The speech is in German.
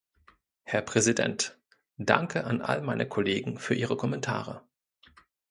Her Präsident, danke an all meine Kollegen für ihre Kommentare.